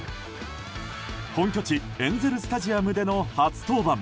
本拠地エンゼル・スタジアムでの初登板。